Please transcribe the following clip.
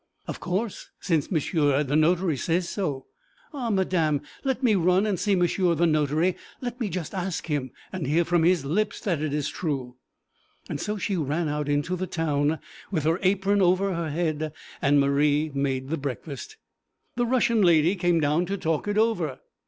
'Of course, since monsieur the notary says so.' 'Ah, madam; let me run and see monsieur the notary. Let me just ask him, and hear from his lips that it is true!' So she ran out into the town, with her apron over her head, and Marie made the breakfast. The Russian lady came down to talk it over.